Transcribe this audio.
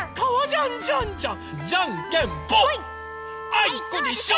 あいこでしょ！